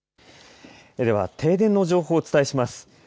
では停電の情報をお伝えします。